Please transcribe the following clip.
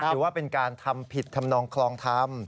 ถือว่าเป็นการทำผิดทำนองคลองธรรม